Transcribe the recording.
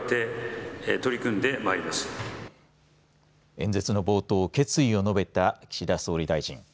演説の冒頭決意を述べた岸田総理大臣。